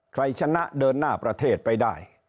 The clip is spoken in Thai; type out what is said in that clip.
ใครชนะเดินหน้าประเทศไปได้